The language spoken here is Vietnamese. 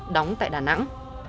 đóng tại đà nẵng